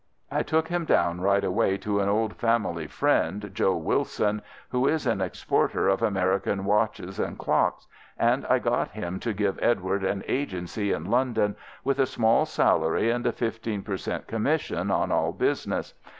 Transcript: I took him down right away to an old family friend, Joe Willson, who is an exporter of American watches and clocks, and I got him to give Edward an agency in London, with a small salary and a 15 per cent. commission on all business.